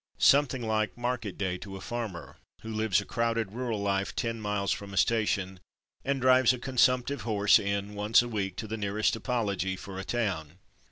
Something like market day to a farmer, who lives a crowded rural life ten miles from a station, and drives a con Ii6 Diversions in Amiens 117 sumptive horse in once a week to the nearest apology for a town.